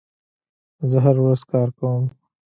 زه هره ورځ کار کوم.